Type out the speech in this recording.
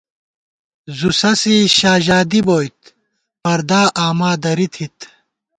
زُو سَسی شاژادی بوئیت پردا آما دری تھِت